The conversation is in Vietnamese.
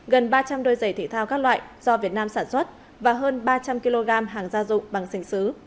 gần ba trăm linh đôi giày thể thao các loại do việt nam sản xuất và hơn ba trăm linh kg hàng gia dụng bằng sành xứ